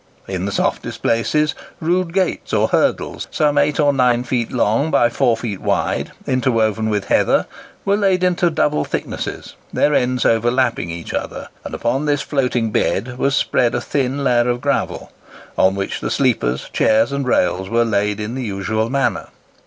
In the softest places, rude gates or hurdles, some 8 or 9 feet long by 4 feet wide, interwoven with heather, were laid in double thicknesses, their ends overlapping each other; and upon this floating bed was spread a thin layer of gravel, on which the sleepers, chairs, and rails were laid in the usual manner.